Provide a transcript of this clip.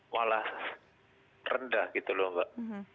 malah rendah gitu loh mbak